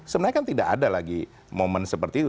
sebenarnya kan tidak ada lagi momen seperti itu